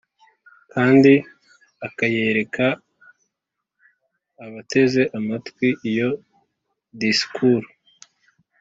kandi akayereka abateze amatwi iyo disikuru.